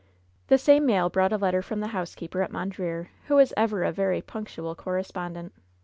The same mail brought a letter from the housekeeper at Mondreer, who was ever a very punctual cor respondent.